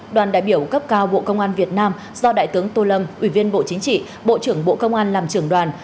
đoàn đại biểu cấp cao bộ công an việt nam do đại tướng tô lâm ủy viên bộ chính trị bộ trưởng bộ công an làm trưởng đoàn